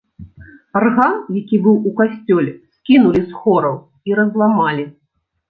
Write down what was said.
Арган, які быў у касцёле, скінулі з хораў і разламалі.